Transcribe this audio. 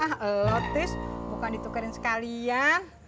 ah lotis bukan ditukarin sekalian